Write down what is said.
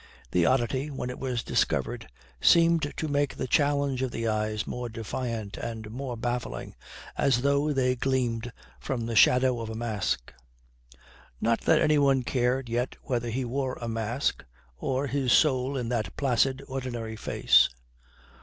The oddity, when it was discovered, seemed to make the challenge of the eyes more defiant and more baffling, as though they gleamed from the shadow of a mask. Not that anyone cared yet whether he wore a mask or his soul in that placid, ordinary face.